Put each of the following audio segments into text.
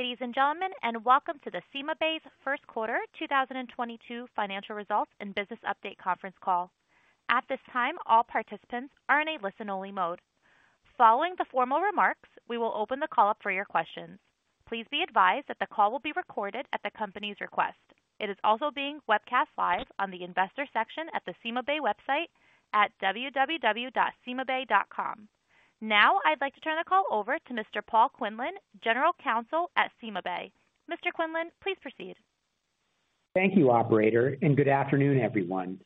Ladies and gentlemen, welcome to the CymaBay's first quarter 2022 financial results and business update conference call. At this time, all participants are in a listen-only mode. Following the formal remarks, we will open the call up for your questions. Please be advised that the call will be recorded at the company's request. It is also being webcast live on the investor section at the CymaBay website at www.cymabay.com. Now, I'd like to turn the call over to Mr. Paul Quinlan, General Counsel at CymaBay. Mr. Quinlan, please proceed. Thank you, operator, and good afternoon, everyone.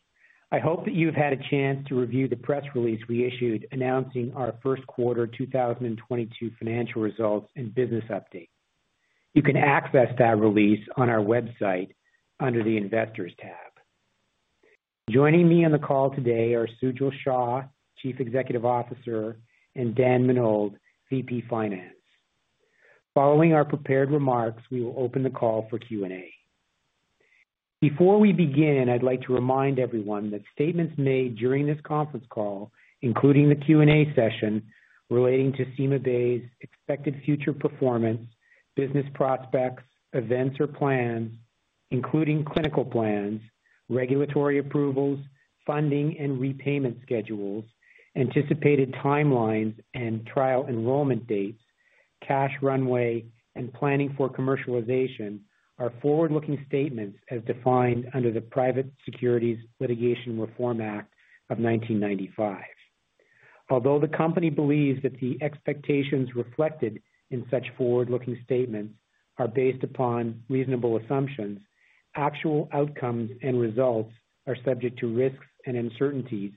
I hope that you've had a chance to review the press release we issued announcing our first quarter 2022 financial results and business update. You can access that release on our website under the Investors tab. Joining me on the call today are Sujal Shah, Chief Executive Officer, and Dan Menold, VP, Finance. Following our prepared remarks, we will open the call for Q&A. Before we begin, I'd like to remind everyone that statements made during this conference call, including the Q&A session, relating to CymaBay's expected future performance, business prospects, events or plans, including clinical plans, regulatory approvals, funding and repayment schedules, anticipated timelines and trial enrollment dates, cash runway, and planning for commercialization are forward-looking statements as defined under the Private Securities Litigation Reform Act of 1995. Although the company believes that the expectations reflected in such forward-looking statements are based upon reasonable assumptions, actual outcomes and results are subject to risks and uncertainties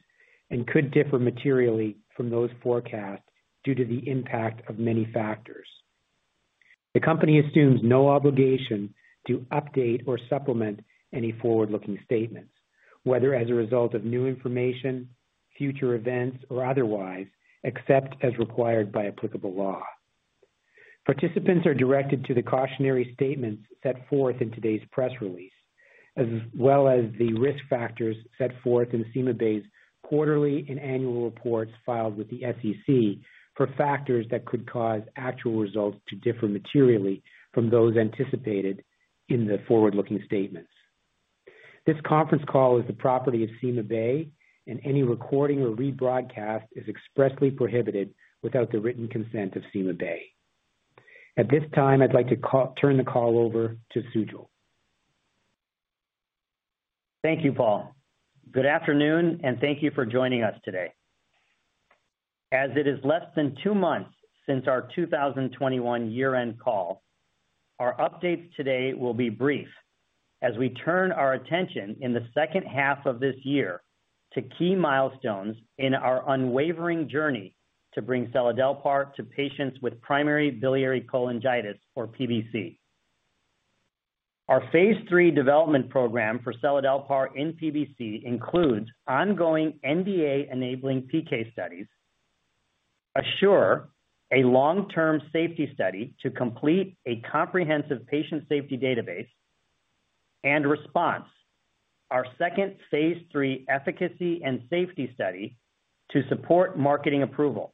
and could differ materially from those forecasts due to the impact of many factors. The company assumes no obligation to update or supplement any forward-looking statements, whether as a result of new information, future events, or otherwise, except as required by applicable law. Participants are directed to the cautionary statements set forth in today's press release, as well as the risk factors set forth in CymaBay's quarterly and annual reports filed with the SEC for factors that could cause actual results to differ materially from those anticipated in the forward-looking statements. This conference call is the property of CymaBay, and any recording or rebroadcast is expressly prohibited without the written consent of CymaBay. At this time, I'd like to turn the call over to Sujal. Thank you, Paul. Good afternoon, and thank you for joining us today. As it is less than two months since our 2021 year-end call, our updates today will be brief as we turn our attention in the second half of this year to key milestones in our unwavering journey to bring seladelpar to patients with primary biliary cholangitis or PBC. Our phase III development program for seladelpar in PBC includes ongoing NDA-enabling PK studies, ASSURE, a long-term safety study to complete a comprehensive patient safety database, and RESPONSE, our second phase III efficacy and safety study to support marketing approval.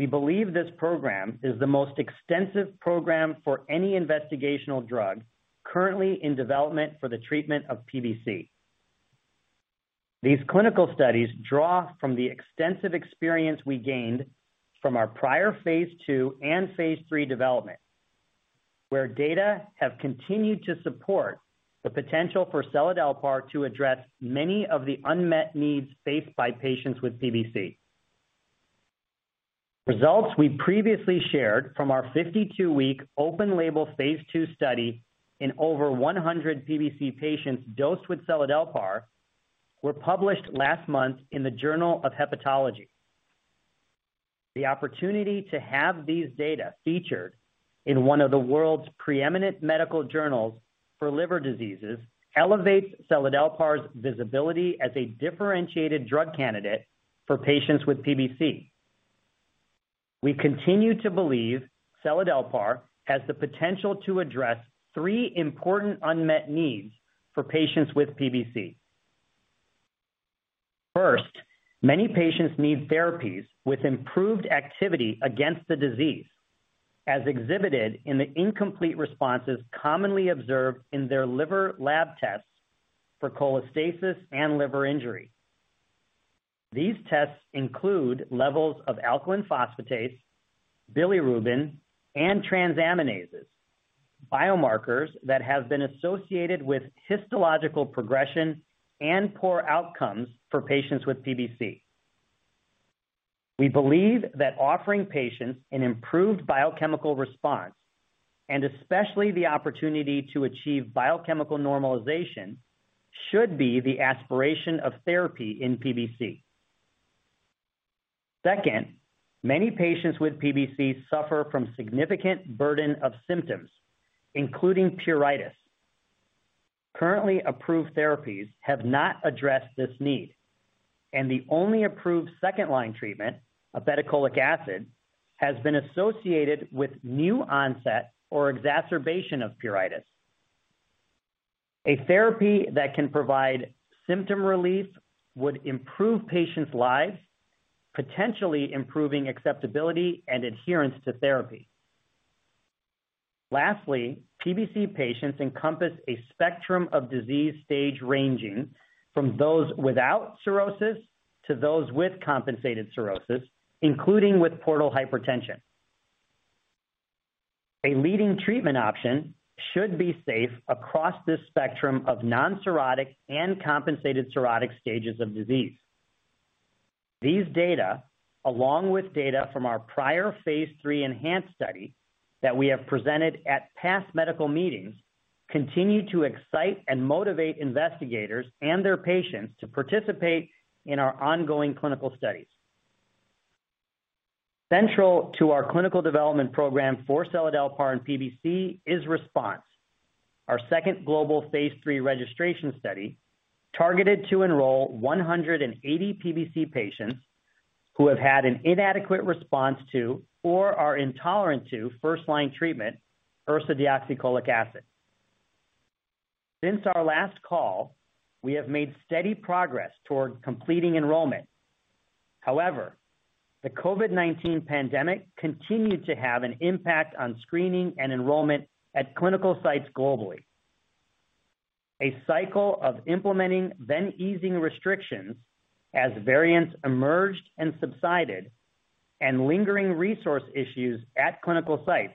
We believe this program is the most extensive program for any investigational drug currently in development for the treatment of PBC. These clinical studies draw from the extensive experience we gained from our prior phase II and phase III development, where data have continued to support the potential for seladelpar to address many of the unmet needs faced by patients with PBC. Results we previously shared from our 52-week open-label phase II study in over 100 PBC patients dosed with seladelpar were published last month in the Journal of Hepatology. The opportunity to have these data featured in one of the world's preeminent medical journals for liver diseases elevates seladelpar's visibility as a differentiated drug candidate for patients with PBC. We continue to believe seladelpar has the potential to address three important unmet needs for patients with PBC. First, many patients need therapies with improved activity against the disease, as exhibited in the incomplete responses commonly observed in their liver lab tests for cholestasis and liver injury. These tests include levels of alkaline phosphatase, bilirubin, and transaminases, biomarkers that have been associated with histological progression and poor outcomes for patients with PBC. We believe that offering patients an improved biochemical response, and especially the opportunity to achieve biochemical normalization, should be the aspiration of therapy in PBC. Second, many patients with PBC suffer from significant burden of symptoms, including pruritus. Currently approved therapies have not addressed this need, and the only approved second-line treatment, obeticholic acid, has been associated with new onset or exacerbation of pruritus. A therapy that can provide symptom relief would improve patients' lives, potentially improving acceptability and adherence to therapy. Lastly, PBC patients encompass a spectrum of disease stage ranging from those without cirrhosis to those with compensated cirrhosis, including with portal hypertension. A leading treatment option should be safe across this spectrum of non-cirrhotic and compensated cirrhotic stages of disease. These data, along with data from our prior phase III ENHANCE study that we have presented at past medical meetings, continue to excite and motivate investigators and their patients to participate in our ongoing clinical studies. Central to our clinical development program for seladelpar and PBC is RESPONSE, our second global phase III registration study targeted to enroll 180 PBC patients who have had an inadequate response to or are intolerant to first-line treatment, ursodeoxycholic acid. Since our last call, we have made steady progress toward completing enrollment. However, the COVID-19 pandemic continued to have an impact on screening and enrollment at clinical sites globally. A cycle of implementing then easing restrictions as variants emerged and subsided, and lingering resource issues at clinical sites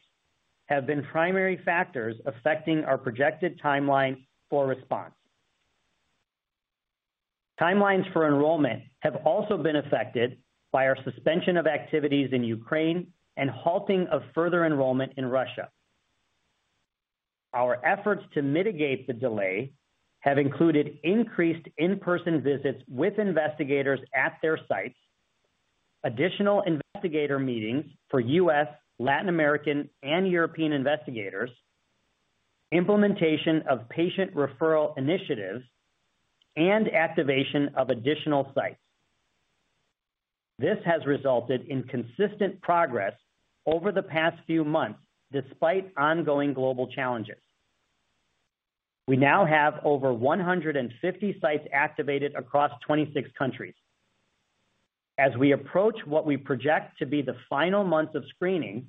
have been primary factors affecting our projected timeline for RESPONSE. Timelines for enrollment have also been affected by our suspension of activities in Ukraine and halting of further enrollment in Russia. Our efforts to mitigate the delay have included increased in-person visits with investigators at their sites, additional investigator meetings for U.S., Latin American, and European investigators, implementation of patient referral initiatives, and activation of additional sites. This has resulted in consistent progress over the past few months, despite ongoing global challenges. We now have over 150 sites activated across 26 countries. As we approach what we project to be the final months of screening,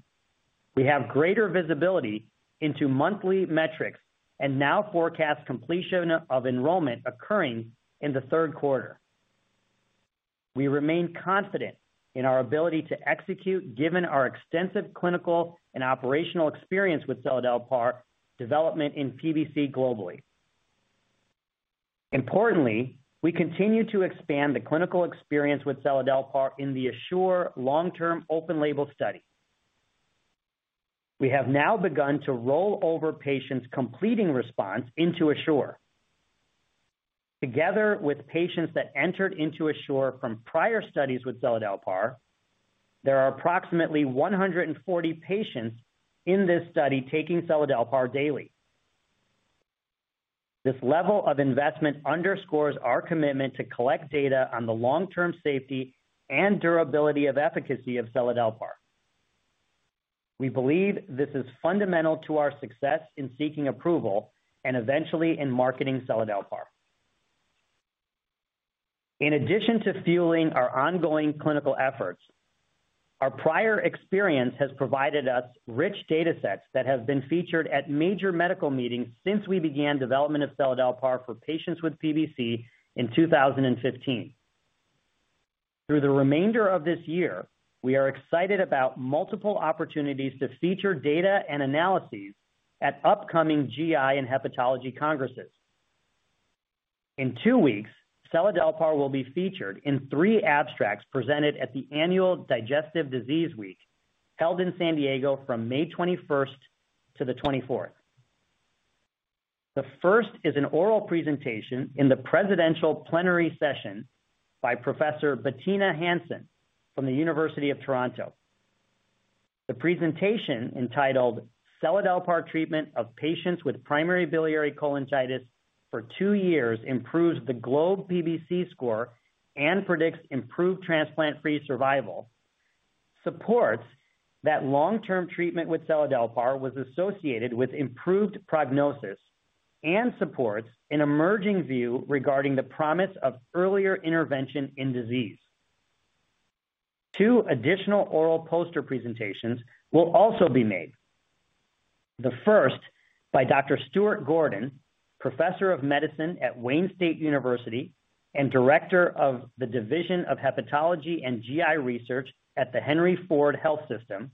we have greater visibility into monthly metrics and now forecast completion of enrollment occurring in the third quarter. We remain confident in our ability to execute given our extensive clinical and operational experience with seladelpar development in PBC globally. Importantly, we continue to expand the clinical experience with seladelpar in the ASSURE long-term open label study. We have now begun to roll over patients completing RESPONSE into ASSURE. Together with patients that entered into ASSURE from prior studies with seladelpar, there are approximately 140 patients in this study taking seladelpar daily. This level of investment underscores our commitment to collect data on the long-term safety and durability of efficacy of seladelpar. We believe this is fundamental to our success in seeking approval and eventually in marketing seladelpar. In addition to fueling our ongoing clinical efforts, our prior experience has provided us rich data sets that have been featured at major medical meetings since we began development of seladelpar for patients with PBC in 2015. Through the remainder of this year, we are excited about multiple opportunities to feature data and analyses at upcoming GI and hepatology congresses. In two weeks, seladelpar will be featured in three abstracts presented at the Annual Digestive Disease Week held in San Diego from May 21st to the 24th. The first is an oral presentation in the presidential plenary session by Professor Bettina Hansen from the University of Toronto. The presentation, entitled Seladelpar Treatment of Patients with Primary Biliary Cholangitis for two years Improves the GLOBE PBC Score and Predicts Improved Transplant-Free Survival, supports that long-term treatment with seladelpar was associated with improved prognosis and supports an emerging view regarding the promise of earlier intervention in disease. Two additional oral poster presentations will also be made. The first by Dr. Stuart Gordon, Professor of Medicine at Wayne State University and Director of the Division of Hepatology and GI Research at the Henry Ford Health System,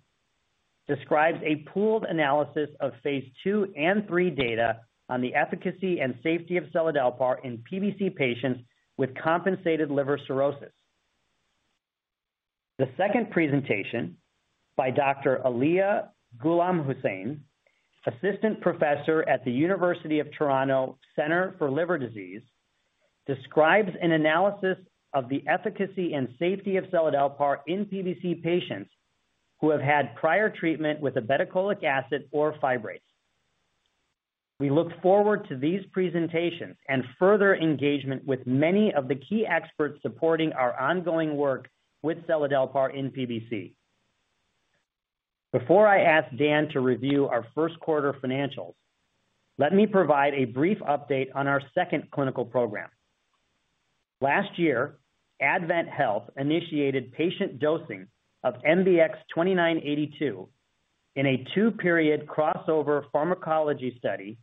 describes a pooled analysis of phase II and III data on the efficacy and safety of seladelpar in PBC patients with compensated liver cirrhosis. The second presentation by Dr. Aliya Gulamhusein, Assistant Professor at the Toronto Centre for Liver Disease, describes an analysis of the efficacy and safety of seladelpar in PBC patients who have had prior treatment with a ursodeoxycholic acid or fibrates. We look forward to these presentations and further engagement with many of the key experts supporting our ongoing work with seladelpar in PBC. Before I ask Dan to review our first quarter financials, let me provide a brief update on our second clinical program. Last year, AdventHealth initiated patient dosing of MBX-2982 in a two-period crossover pharmacology study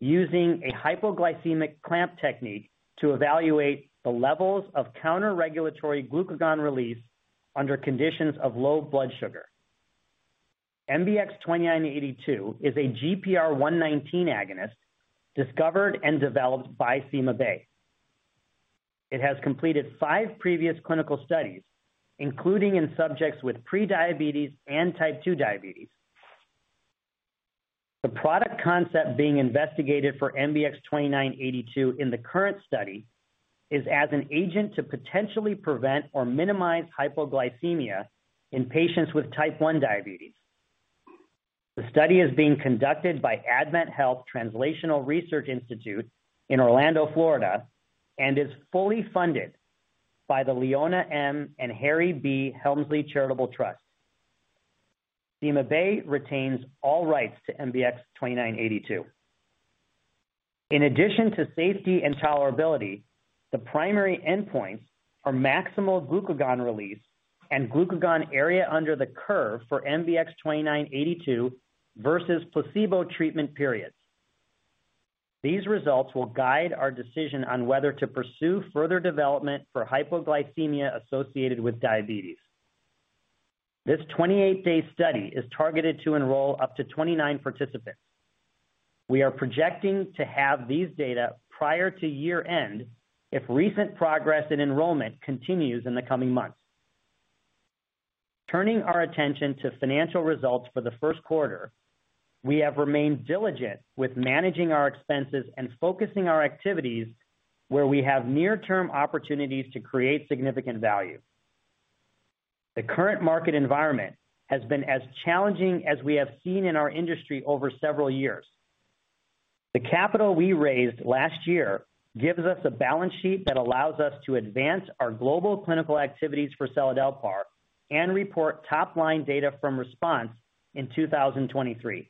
using a hypoglycemic clamp technique to evaluate the levels of counter-regulatory glucagon release under conditions of low blood sugar. MBX-2982 is a GPR119 agonist discovered and developed by CymaBay. It has completed five previous clinical studies, including in subjects with pre-diabetes and type 2 diabetes. The product concept being investigated for MBX-2982 in the current study is as an agent to potentially prevent or minimize hypoglycemia in patients with type 1 diabetes. The study is being conducted by AdventHealth Translational Research Institute in Orlando, Florida, and is fully funded by the Leona M. and Harry B. Helmsley Charitable Trust. CymaBay retains all rights to MBX-2982. In addition to safety and tolerability, the primary endpoints are maximal glucagon release and glucagon area under the curve for MBX-2982 versus placebo treatment periods. These results will guide our decision on whether to pursue further development for hypoglycemia associated with diabetes. This 28-day study is targeted to enroll up to 29 participants. We are projecting to have these data prior to year-end if recent progress in enrollment continues in the coming months. Turning our attention to financial results for the first quarter, we have remained diligent with managing our expenses and focusing our activities where we have near-term opportunities to create significant value. The current market environment has been as challenging as we have seen in our industry over several years. The capital we raised last year gives us a balance sheet that allows us to advance our global clinical activities for seladelpar and report top-line data from RESPONSE in 2023.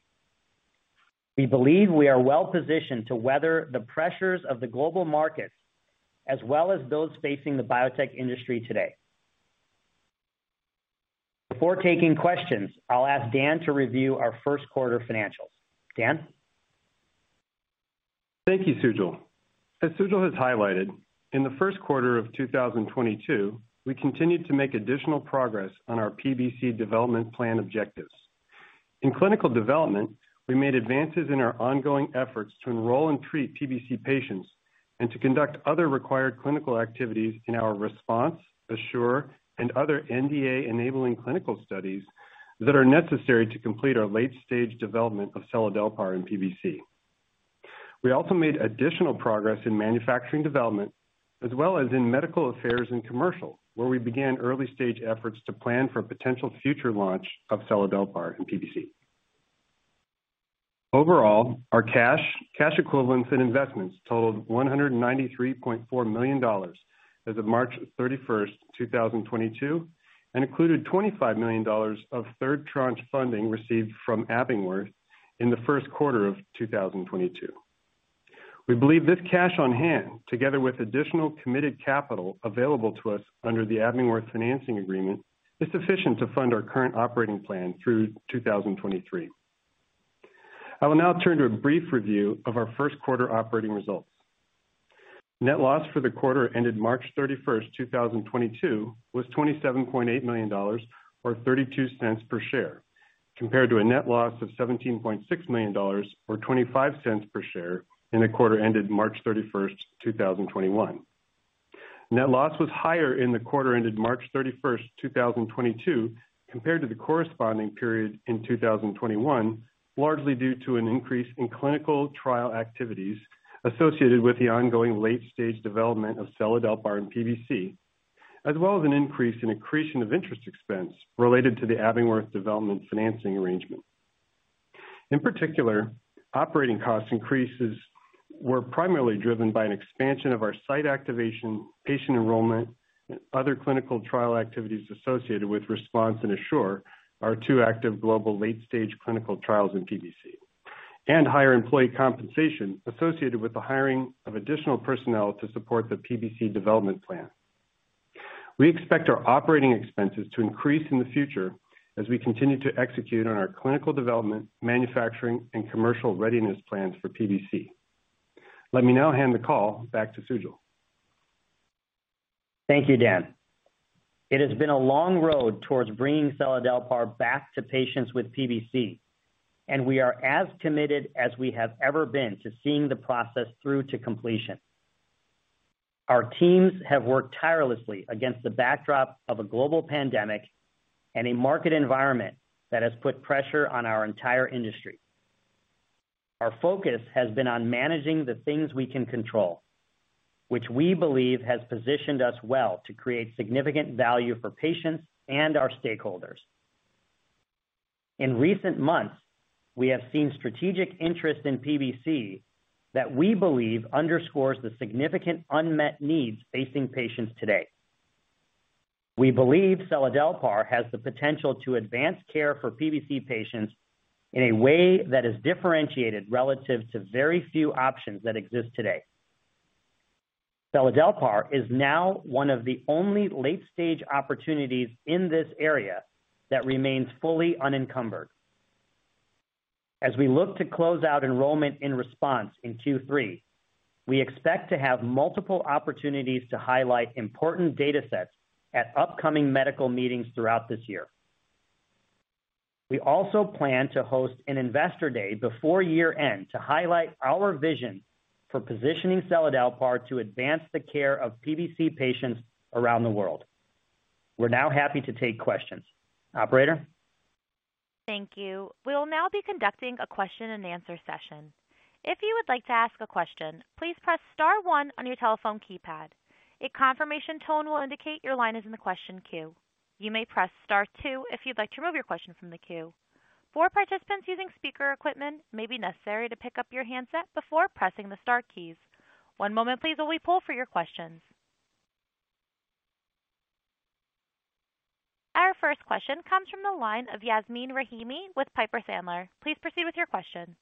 We believe we are well positioned to weather the pressures of the global markets as well as those facing the biotech industry today. Before taking questions, I'll ask Dan to review our first quarter financials. Dan? Thank you, Sujal. As Sujal has highlighted, in the first quarter of 2022, we continued to make additional progress on our PBC development plan objectives. In clinical development, we made advances in our ongoing efforts to enroll and treat PBC patients and to conduct other required clinical activities in our RESPONSE, ASSURE, and other NDA-enabling clinical studies that are necessary to complete our late-stage development of seladelpar in PBC. We also made additional progress in manufacturing development as well as in medical affairs and commercial, where we began early-stage efforts to plan for a potential future launch of seladelpar in PBC. Overall, our cash equivalents, and investments totaled $193.4 million as of March 31st, 2022, and included $25 million of third tranche funding received from Abingworth in the first quarter of 2022. We believe this cash on hand, together with additional committed capital available to us under the Abingworth financing agreement, is sufficient to fund our current operating plan through 2023. I will now turn to a brief review of our first quarter operating results. Net loss for the quarter ended March 31st, 2022 was $27.8 million or $0.32 per share, compared to a net loss of $17.6 million or $0.25 per share in the quarter ended March 31st, 2021. Net loss was higher in the quarter ended March 31st, 2022, compared to the corresponding period in 2021, largely due to an increase in clinical trial activities associated with the ongoing late-stage development of seladelpar in PBC, as well as an increase in accretion of interest expense related to the Abingworth development financing arrangement. In particular, operating cost increases were primarily driven by an expansion of our site activation, patient enrollment, other clinical trial activities associated with RESPONSE and ASSURE, our two active global late-stage clinical trials in PBC, and higher employee compensation associated with the hiring of additional personnel to support the PBC development plan. We expect our operating expenses to increase in the future as we continue to execute on our clinical development, manufacturing, and commercial readiness plans for PBC. Let me now hand the call back to Sujal. Thank you, Dan. It has been a long road towards bringing seladelpar back to patients with PBC, and we are as committed as we have ever been to seeing the process through to completion. Our teams have worked tirelessly against the backdrop of a global pandemic and a market environment that has put pressure on our entire industry. Our focus has been on managing the things we can control, which we believe has positioned us well to create significant value for patients and our stakeholders. In recent months, we have seen strategic interest in PBC that we believe underscores the significant unmet needs facing patients today. We believe seladelpar has the potential to advance care for PBC patients in a way that is differentiated relative to very few options that exist today. Seladelpar is now one of the only late-stage opportunities in this area that remains fully unencumbered. As we look to close out enrollment in RESPONSE in 2023, we expect to have multiple opportunities to highlight important datasets at upcoming medical meetings throughout this year. We also plan to host an investor day before year-end to highlight our vision for positioning seladelpar to advance the care of PBC patients around the world. We're now happy to take questions. Operator? Thank you. We will now be conducting a question-and-answer session. If you would like to ask a question, please press star one on your telephone keypad. A confirmation tone will indicate your line is in the question queue. You may press star two if you'd like to remove your question from the queue. For participants using speaker equipment, it may be necessary to pick up your handset before pressing the star keys. One moment please while we poll for your questions. Our first question comes from the line of Yasmeen Rahimi with Piper Sandler. Please proceed with your question.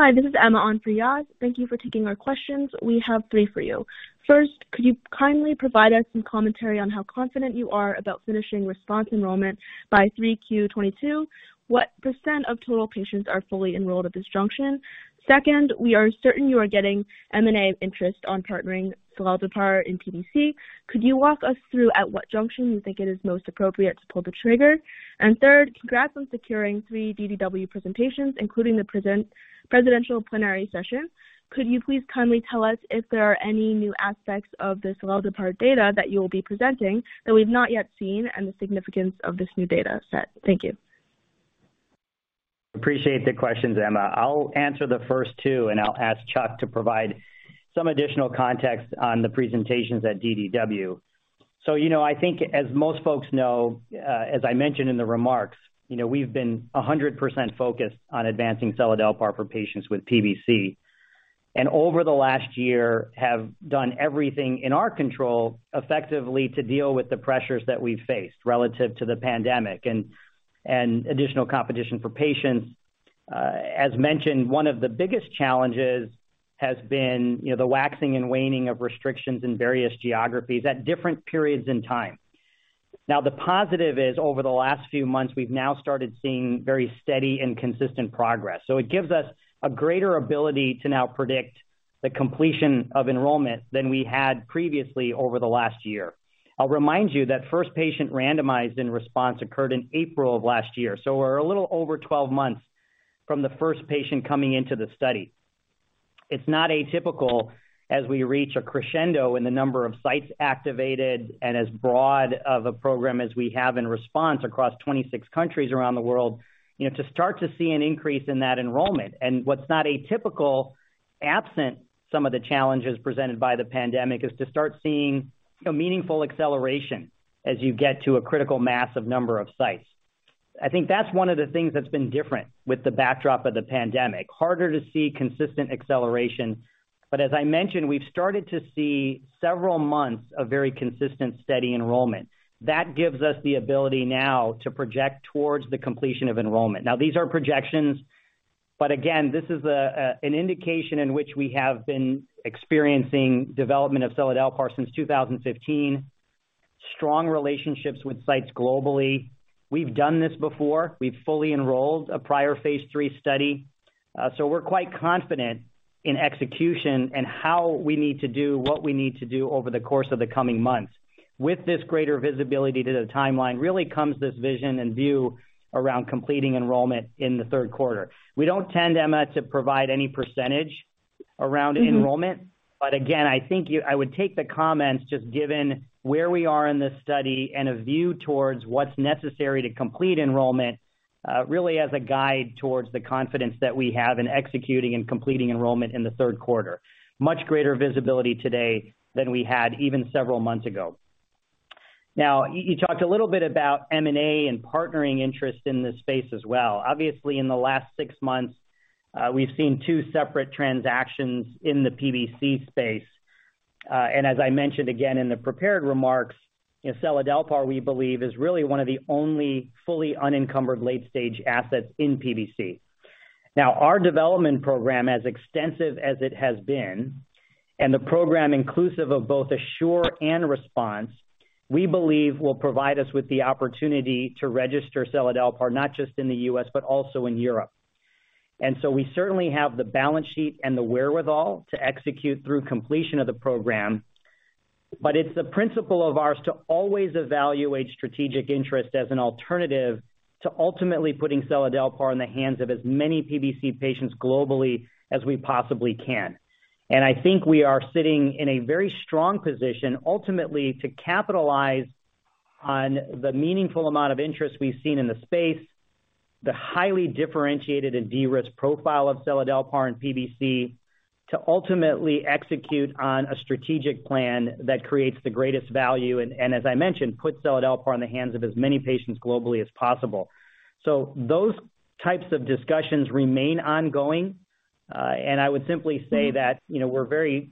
Hi, this is Emma on for Yas. Thank you for taking our questions. We have three for you. First, could you kindly provide us some commentary on how confident you are about finishing RESPONSE enrollment by 3Q22? What % of total patients are fully enrolled at this junction? Second, we are certain you are getting M&A interest on partnering seladelpar in PBC. Could you walk us through at what junction you think it is most appropriate to pull the trigger? Third, congrats on securing three DDW presentations, including the presidential plenary session. Could you please kindly tell us if there are any new aspects of the seladelpar data that you will be presenting that we've not yet seen, and the significance of this new data set? Thank you. Appreciate the questions, Emma. I'll answer the first two, and I'll ask Chuck to provide some additional context on the presentations at DDW. You know, I think as most folks know, as I mentioned in the remarks, you know, we've been 100% focused on advancing seladelpar for patients with PBC. Over the last year, have done everything in our control effectively to deal with the pressures that we faced relative to the pandemic and additional competition for patients. As mentioned, one of the biggest challenges has been, you know, the waxing and waning of restrictions in various geographies at different periods in time. Now, the positive is over the last few months, we've now started seeing very steady and consistent progress. It gives us a greater ability to now predict the completion of enrollment than we had previously over the last year. I'll remind you that first patient randomized in RESPONSE occurred in April of last year, so we're a little over 12 months from the first patient coming into the study. It's not atypical as we reach a crescendo in the number of sites activated and as broad of a program as we have in RESPONSE across 26 countries around the world, you know, to start to see an increase in that enrollment. What's not atypical, absent some of the challenges presented by the pandemic, is to start seeing a meaningful acceleration as you get to a critical mass of number of sites. I think that's one of the things that's been different with the backdrop of the pandemic. Harder to see consistent acceleration. As I mentioned, we've started to see several months of very consistent, steady enrollment. That gives us the ability now to project towards the completion of enrollment. Now, these are projections, but again, this is an indication in which we have been experiencing development of seladelpar since 2015. Strong relationships with sites globally. We've done this before. We've fully enrolled a prior phase III study. We're quite confident in execution and how we need to do what we need to do over the course of the coming months. With this greater visibility to the timeline really comes this vision and view around completing enrollment in the third quarter. We don't tend, Emma, to provide any percentage around enrollment. Again, I think I would take the comments just given where we are in this study and a view towards what's necessary to complete enrollment, really as a guide towards the confidence that we have in executing and completing enrollment in the third quarter. Much greater visibility today than we had even several months ago. Now, you talked a little bit about M&A and partnering interest in this space as well. Obviously, in the last six months, we've seen two separate transactions in the PBC space. As I mentioned again in the prepared remarks, you know, seladelpar, we believe, is really one of the only fully unencumbered late-stage assets in PBC. Now, our development program, as extensive as it has been, and the program inclusive of both ASSURE and RESPONSE, we believe will provide us with the opportunity to register seladelpar not just in the U.S., but also in Europe. We certainly have the balance sheet and the wherewithal to execute through completion of the program. It's a principle of ours to always evaluate strategic interest as an alternative to ultimately putting seladelpar in the hands of as many PBC patients globally as we possibly can. I think we are sitting in a very strong position ultimately to capitalize on the meaningful amount of interest we've seen in the space, the highly differentiated and de-risked profile of seladelpar in PBC to ultimately execute on a strategic plan that creates the greatest value, and as I mentioned, put seladelpar in the hands of as many patients globally as possible. Those types of discussions remain ongoing. I would simply say that, you know, we're very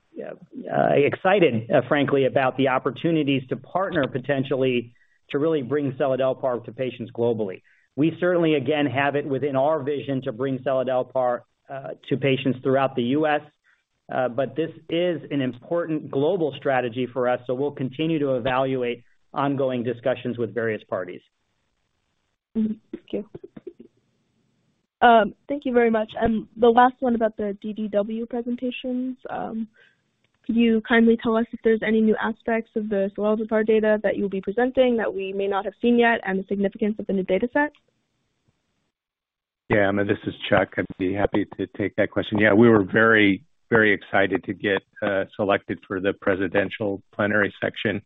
excited, frankly, about the opportunities to partner potentially to really bring seladelpar to patients globally. We certainly, again, have it within our vision to bring seladelpar to patients throughout the U.S., but this is an important global strategy for us, so we'll continue to evaluate ongoing discussions with various parties. Thank you. Thank you very much. The last one about the DDW presentations. Could you kindly tell us if there's any new aspects of the seladelpar data that you'll be presenting that we may not have seen yet, and the significance of the new data set? Yeah. This is Chuck. I'd be happy to take that question. Yeah, we were very, very excited to get selected for the presidential plenary section.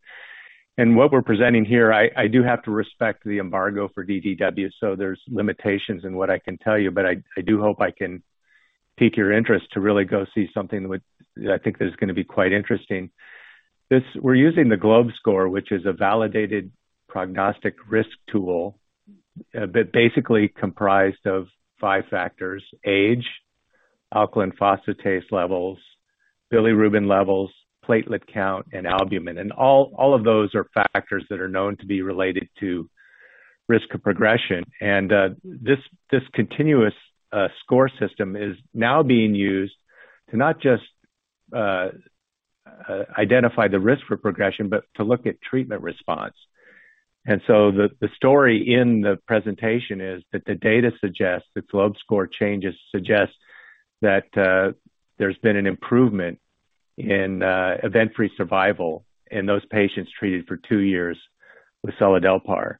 What we're presenting here, I do have to respect the embargo for DDW, so there's limitations in what I can tell you, but I do hope I can pique your interest to really go see something that would. I think that is gonna be quite interesting. This. We're using the GLOBE score, which is a validated prognostic risk tool, that basically comprised of five factors, age, alkaline phosphatase levels, bilirubin levels, platelet count, and albumin. All of those are factors that are known to be related to risk of progression. This continuous score system is now being used to not just identify the risk for progression, but to look at treatment response. The story in the presentation is that the data suggests, the GLOBE score changes suggest that there's been an improvement in event-free survival in those patients treated for two years with seladelpar.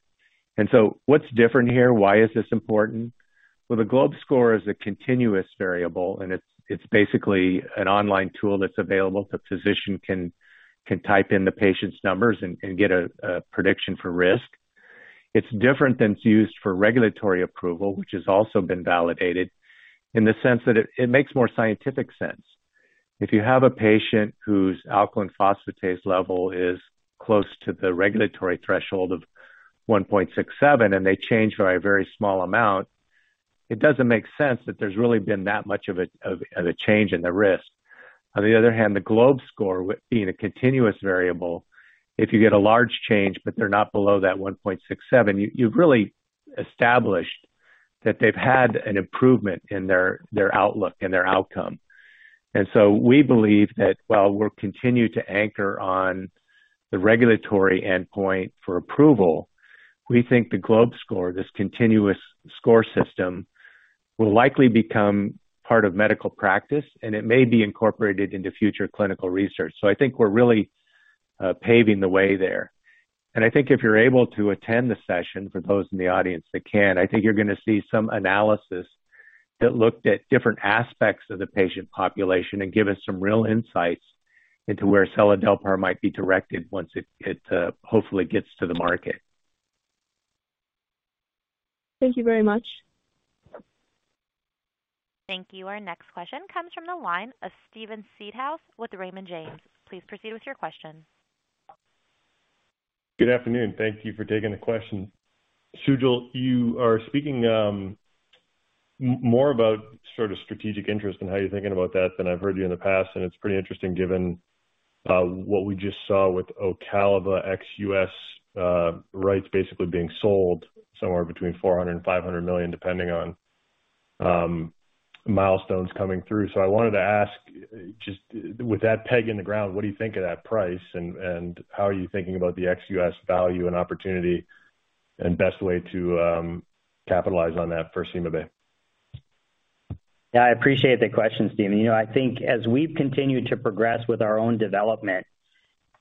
What's different here? Why is this important? The GLOBE score is a continuous variable, and it's basically an online tool that's available. The physician can type in the patient's numbers and get a prediction for risk. It's different than it's used for regulatory approval, which has also been validated in the sense that it makes more scientific sense. If you have a patient whose alkaline phosphatase level is close to the regulatory threshold of 1.67, and they change by a very small amount, it doesn't make sense that there's really been that much of a change in the risk. On the other hand, the GLOBE score, with being a continuous variable, if you get a large change, but they're not below that 1.67, you've really established that they've had an improvement in their outlook and their outcome. We believe that while we'll continue to anchor on the regulatory endpoint for approval, we think the GLOBE score, this continuous score system, will likely become part of medical practice, and it may be incorporated into future clinical research. I think we're really paving the way there. I think if you're able to attend the session, for those in the audience that can, you're gonna see some analysis that looked at different aspects of the patient population and given some real insights into where seladelpar might be directed once it hopefully gets to the market. Thank you very much. Thank you. Our next question comes from the line of Steven Seedhouse with Raymond James. Please proceed with your question. Good afternoon. Thank you for taking the question. Sujal, you are speaking more about sort of strategic interest and how you're thinking about that than I've heard you in the past, and it's pretty interesting given what we just saw with Ocaliva ex-US rights basically being sold somewhere between $400 million-$500 million, depending on milestones coming through. I wanted to ask, just with that peg in the ground, what do you think of that price and how are you thinking about the ex-US value and opportunity and best way to capitalize on that for CymaBay? Yeah, I appreciate the question, Steven. You know, I think as we've continued to progress with our own development,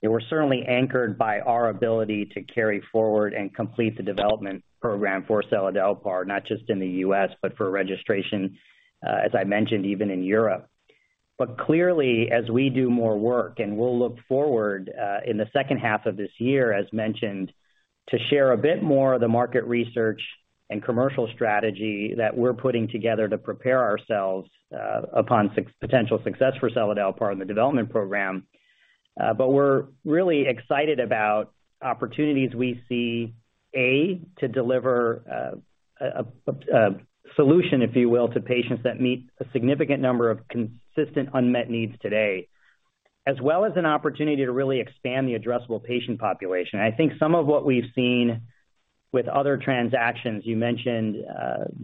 we're certainly anchored by our ability to carry forward and complete the development program for seladelpar, not just in the U.S., but for registration, as I mentioned, even in Europe. Clearly, as we do more work, and we'll look forward, in the second half of this year, as mentioned, to share a bit more of the market research and commercial strategy that we're putting together to prepare ourselves, upon potential success for seladelpar in the development program. We're really excited about opportunities we see, A, to deliver, a solution, if you will, to patients that meet a significant number of consistent unmet needs today, as well as an opportunity to really expand the addressable patient population. I think some of what we've seen with other transactions, you mentioned,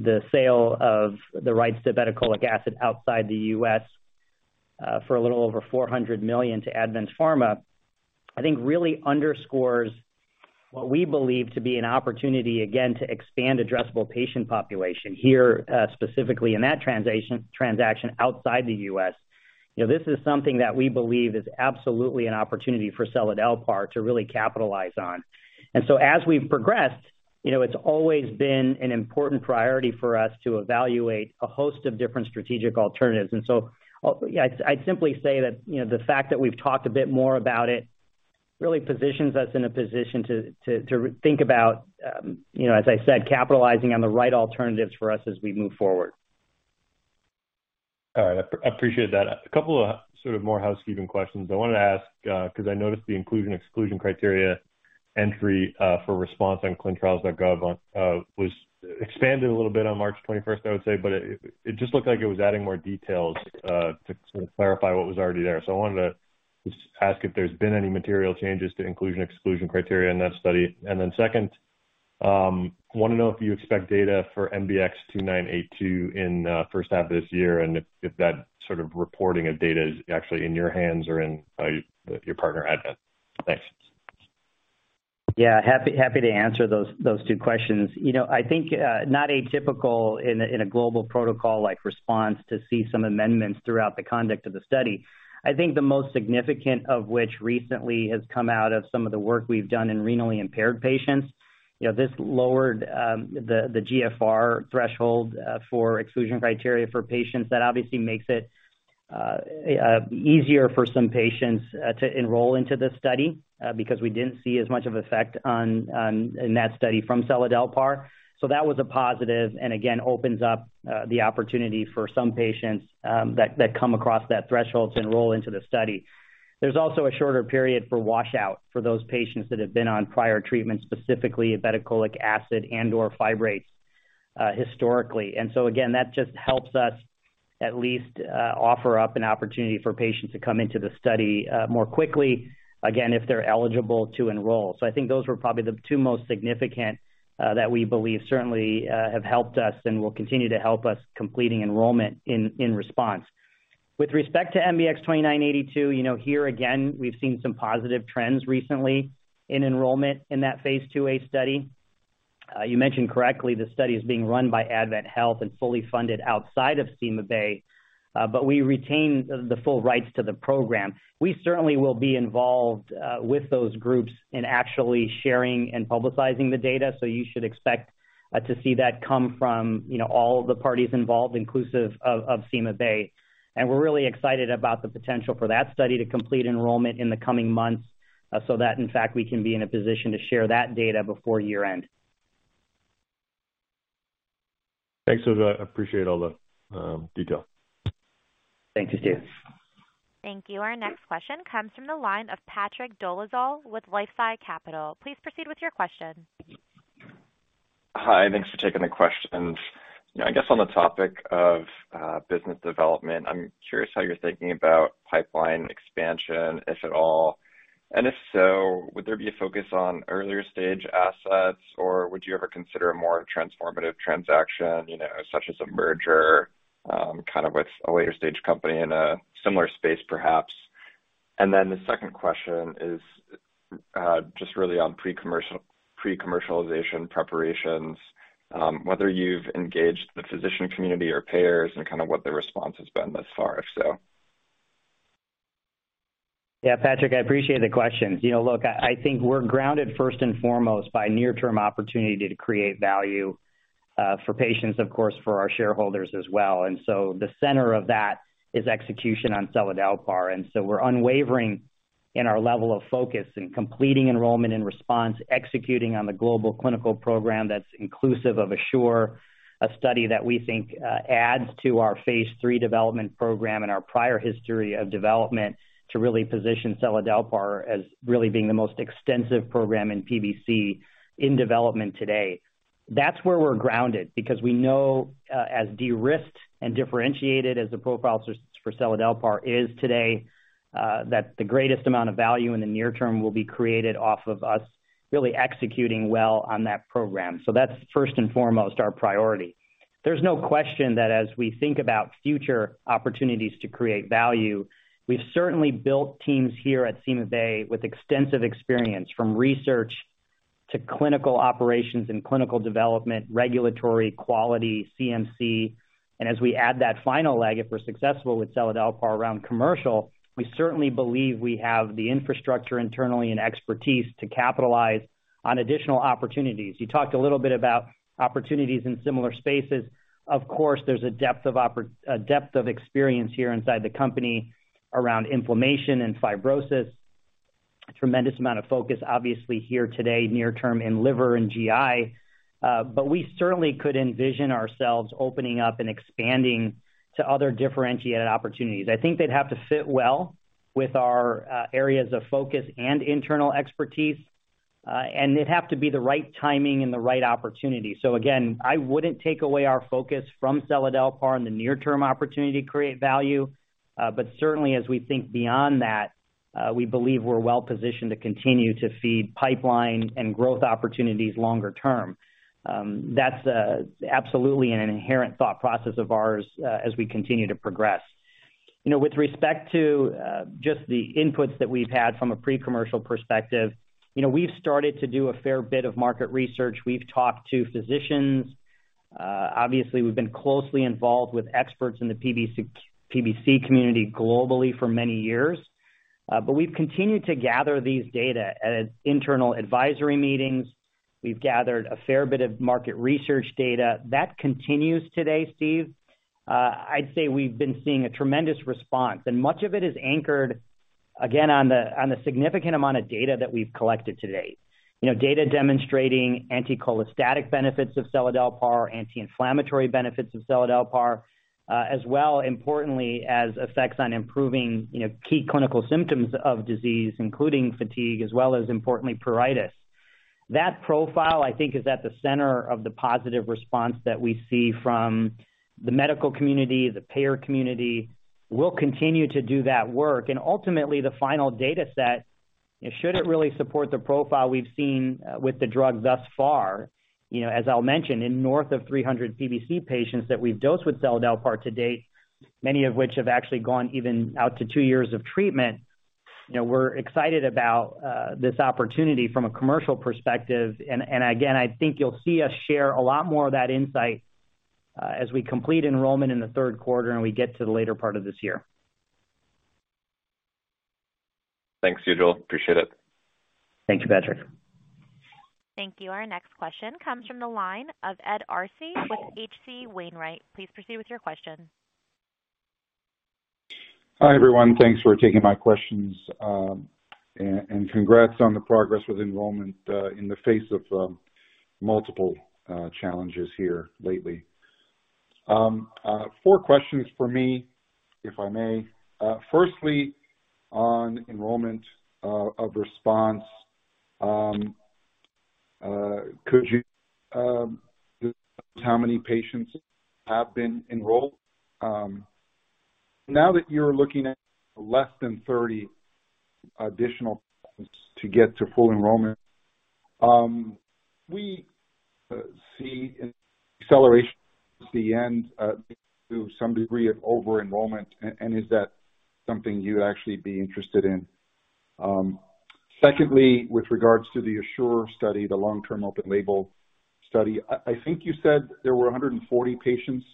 the sale of the rights to Ocaliva outside the U.S., for a little over $400 million to Advanz Pharma, I think really underscores what we believe to be an opportunity, again, to expand addressable patient population here, specifically in that transaction outside the U.S. You know, this is something that we believe is absolutely an opportunity for seladelpar to really capitalize on. As we've progressed, you know, it's always been an important priority for us to evaluate a host of different strategic alternatives. Yeah, I'd simply say that, you know, the fact that we've talked a bit more about it really positions us in a position to think about, you know, as I said, capitalizing on the right alternatives for us as we move forward. All right. I appreciate that. A couple of sort of more housekeeping questions I wanted to ask, 'cause I noticed the inclusion/exclusion criteria entry for RESPONSE on ClinicalTrials.gov was expanded a little bit on March 21st, I would say, but it just looked like it was adding more details to sort of clarify what was already there. I wanted to just ask if there's been any material changes to inclusion/exclusion criteria in that study. Second, wanna know if you expect data for MBX-2982 in first half of this year, and if that sort of reporting of data is actually in your hands or in your partner AdventHealth. Thanks. Yeah. Happy to answer those two questions. You know, I think not atypical in a global protocol like RESPONSE to see some amendments throughout the conduct of the study. I think the most significant of which recently has come out of some of the work we've done in renally impaired patients. You know, this lowered the GFR threshold for exclusion criteria for patients. That obviously makes it easier for some patients to enroll into the study because we didn't see as much of effect on in that study from seladelpar. That was a positive, and again, opens up the opportunity for some patients that come across that threshold to enroll into the study. There's also a shorter period for washout for those patients that have been on prior treatment, specifically of bile acid and/or fibrates, historically. Again, that just helps us at least, offer up an opportunity for patients to come into the study, more quickly, again, if they're eligible to enroll. I think those were probably the two most significant, that we believe certainly, have helped us and will continue to help us completing enrollment in RESPONSE. With respect to MBX-2982, you know, here again, we've seen some positive trends recently in enrollment in that Phase 2a study. You mentioned correctly, the study is being run by AdventHealth and fully funded outside of CymaBay. We retain the full rights to the program. We certainly will be involved with those groups in actually sharing and publicizing the data. You should expect to see that come from, you know, all the parties involved, inclusive of CymaBay. We're really excited about the potential for that study to complete enrollment in the coming months, so that in fact, we can be in a position to share that data before year-end. Thanks, Sujal. I appreciate all the detail. Thank you, Steven. Thank you. Our next question comes from the line of Patrick Dolezal with LifeSci Capital. Please proceed with your question. Hi, thanks for taking the questions. You know, I guess on the topic of business development, I'm curious how you're thinking about pipeline expansion, if at all. If so, would there be a focus on earlier stage assets, or would you ever consider a more transformative transaction, you know, such as a merger, kind of with a later stage company in a similar space, perhaps? Then the second question is just really on pre-commercialization preparations, whether you've engaged the physician community or payers and kind of what the response has been thus far, if so. Patrick, I appreciate the questions. You know, look, I think we're grounded first and foremost by near-term opportunity to create value for patients, of course, for our shareholders as well. The center of that is execution on seladelpar. We're unwavering in our level of focus in completing enrollment and response, executing on the global clinical program that's inclusive of Assure, a study that we think adds to our phase III development program and our prior history of development to really position seladelpar as really being the most extensive program in PBC in development today. That's where we're grounded because we know, as de-risked and differentiated as the profile for seladelpar is today, that the greatest amount of value in the near term will be created off of us really executing well on that program. That's first and foremost our priority. There's no question that as we think about future opportunities to create value, we've certainly built teams here at CymaBay with extensive experience from research to clinical operations and clinical development, regulatory quality, CMC. As we add that final leg, if we're successful with seladelpar around commercial, we certainly believe we have the infrastructure internally and expertise to capitalize on additional opportunities. You talked a little bit about opportunities in similar spaces. Of course, there's a depth of experience here inside the company around inflammation and fibrosis. Tremendous amount of focus, obviously here today, near term in liver and GI. We certainly could envision ourselves opening up and expanding to other differentiated opportunities. I think they'd have to fit well with our areas of focus and internal expertise, and they'd have to be the right timing and the right opportunity. Again, I wouldn't take away our focus from seladelpar in the near term opportunity to create value. Certainly as we think beyond that, we believe we're well positioned to continue to feed pipeline and growth opportunities longer term. That's absolutely an inherent thought process of ours as we continue to progress. You know, with respect to just the inputs that we've had from a pre-commercial perspective, you know, we've started to do a fair bit of market research. We've talked to physicians. Obviously we've been closely involved with experts in the PBC community globally for many years. We've continued to gather these data at internal advisory meetings. We've gathered a fair bit of market research data. That continues today, Steven. I'd say we've been seeing a tremendous response, and much of it is anchored, again, on the significant amount of data that we've collected to date. You know, data demonstrating anticholestatic benefits of seladelpar, anti-inflammatory benefits of seladelpar, as well importantly as effects on improving, you know, key clinical symptoms of disease, including fatigue, as well as importantly pruritus. That profile, I think, is at the center of the positive response that we see from the medical community, the payer community. We'll continue to do that work. Ultimately, the final data set should it really support the profile we've seen with the drug thus far. You know, as I'll mention, in north of 300 PBC patients that we've dosed with seladelpar to date, many of which have actually gone even out to two years of treatment. You know, we're excited about this opportunity from a commercial perspective. I think you'll see us share a lot more of that insight as we complete enrollment in the third quarter and we get to the later part of this year. Thanks, Sujal. Appreciate it. Thank you, Patrick. Thank you. Our next question comes from the line of Ed Arce with H.C. Wainwright. Please proceed with your question. Hi, everyone. Thanks for taking my questions and congrats on the progress with enrollment in the face of multiple challenges here lately. Four questions for me, if I may. Firstly, on enrollment of RESPONSE, could you how many patients have been enrolled? Now that you're looking at less than 30 additional to get to full enrollment, we see an acceleration at the end to some degree of over-enrollment. Is that something you'd actually be interested in? Secondly, with regards to the ASSURE study, the long-term open label study, I think you said there were 140 patients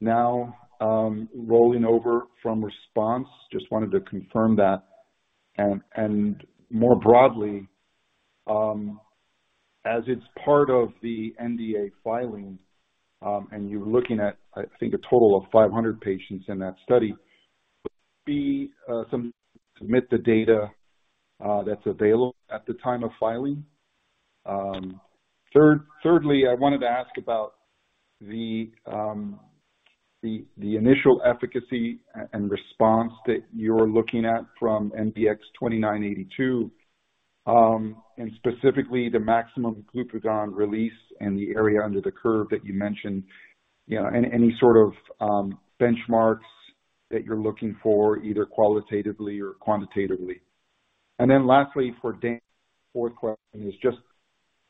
now rolling over from RESPONSE. Just wanted to confirm that. More broadly, as it's part of the NDA filing, and you're looking at, I think, a total of 500 patients in that study, because you submit the data that's available at the time of filing. Thirdly, I wanted to ask about the initial efficacy and response that you're looking at from MBX-2982, and specifically the maximum glucagon release and the area under the curve that you mentioned. You know, any sort of benchmarks that you're looking for, either qualitatively or quantitatively. Then lastly, for Dan, fourth question is just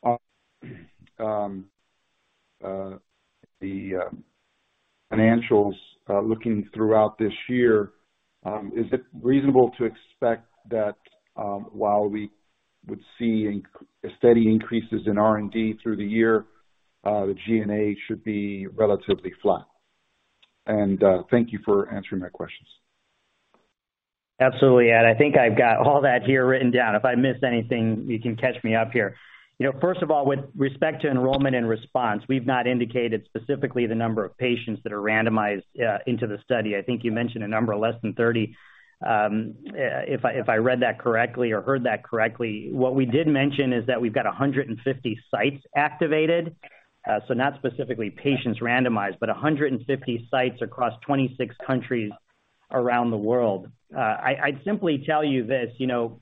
on the financials looking throughout this year, is it reasonable to expect that, while we would see steady increases in R&D through the year, the G&A should be relatively flat? Thank you for answering my questions. Absolutely, Ed. I think I've got all that here written down. If I missed anything, you can catch me up here. You know, first of all, with respect to enrollment and response, we've not indicated specifically the number of patients that are randomized into the study. I think you mentioned a number less than 30, if I read that correctly or heard that correctly. What we did mention is that we've got 150 sites activated. So not specifically patients randomized, but 150 sites across 26 countries around the world. I'd simply tell you this, you know,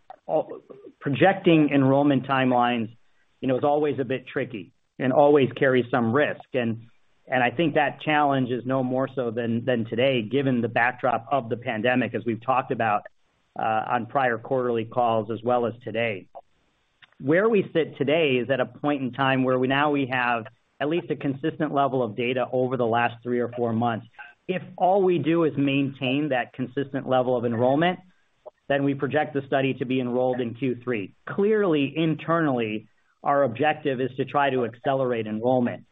Projecting enrollment timelines, you know, is always a bit tricky and always carries some risk. I think that challenge is no more so than today, given the backdrop of the pandemic, as we've talked about on prior quarterly calls as well as today. Where we sit today is at a point in time where we now have at least a consistent level of data over the last three or four months. If all we do is maintain that consistent level of enrollment, then we project the study to be enrolled in Q3. Clearly, internally, our objective is to try to accelerate enrollment.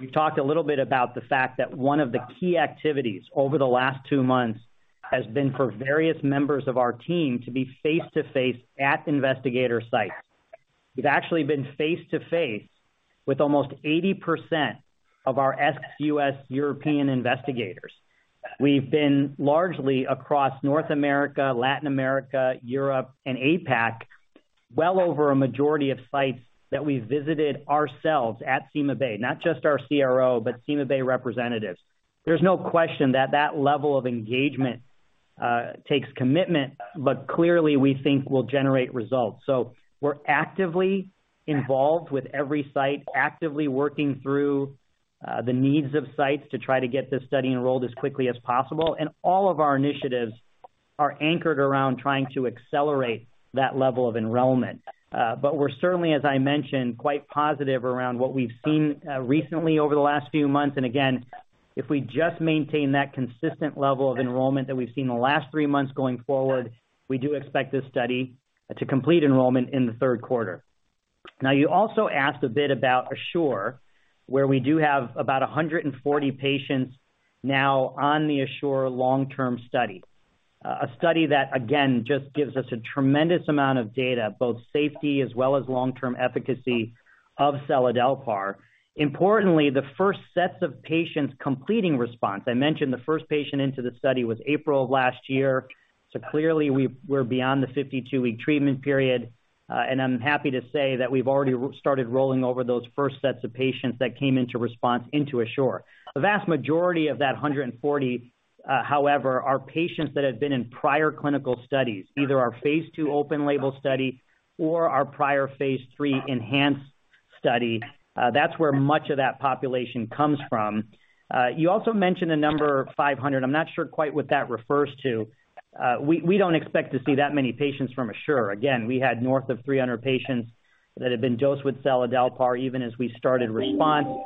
We've talked a little bit about the fact that one of the key activities over the last two months has been for various members of our team to be face to face at investigator sites. We've actually been face to face with almost 80% of our ex-US European investigators. We've been largely across North America, Latin America, Europe, and APAC, well over a majority of sites that we visited ourselves at CymaBay, not just our CRO, but CymaBay representatives. There's no question that that level of engagement takes commitment, but clearly we think will generate results. We're actively involved with every site, actively working through the needs of sites to try to get this study enrolled as quickly as possible. All of our initiatives are anchored around trying to accelerate that level of enrollment. But we're certainly, as I mentioned, quite positive around what we've seen recently over the last few months. Again, if we just maintain that consistent level of enrollment that we've seen the last three months going forward, we do expect this study to complete enrollment in the third quarter. Now, you also asked a bit about ASSURE, where we do have about 140 patients now on the ASSURE long-term study. A study that again, just gives us a tremendous amount of data, both safety as well as long-term efficacy of seladelpar. Importantly, the first sets of patients completing RESPONSE. I mentioned the first patient into the study was April of last year. Clearly we're beyond the 52-week treatment period. I'm happy to say that we've already started rolling over those first sets of patients that came into RESPONSE into ASSURE. The vast majority of that 140, however, are patients that have been in prior clinical studies, either our phase II open-label study or our prior phase III ENHANCE study, that's where much of that population comes from. You also mentioned the number 500. I'm not sure quite what that refers to. We don't expect to see that many patients from ASSURE. Again, we had north of 300 patients that had been dosed with seladelpar even as we started RESPONSE.